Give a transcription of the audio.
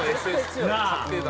なあ！